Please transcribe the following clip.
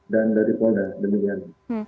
dan dari polda demikian